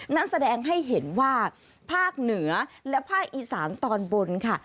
นั่นแสดงให้เห็นว่าภาคเหนือและภาคอีสานตอนบนค่ะ